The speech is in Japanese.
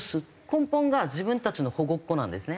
根本が自分たちの保護っ子なんですね。